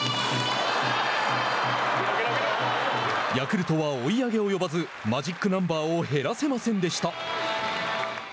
ヤクルトは追い上げ及ばずマジックナンバーを減らせませんでした。